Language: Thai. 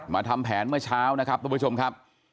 ทำแผนเมื่อเช้านะครับทุกผู้ชมครับ